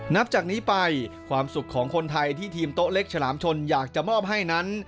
นับจากนี้ไปความสุขของคนไทยที่ทีมโต๊ะเล็กฉลามชนอยากจะมอบให้นั้น